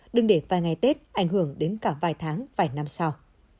đừng để vài ngày tết ảnh hưởng đến cả vài tháng vài năm sau